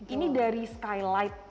ini dari skylight